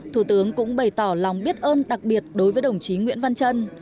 thủ tướng cũng bày tỏ lòng biết ơn đặc biệt đối với đồng chí nguyễn văn trân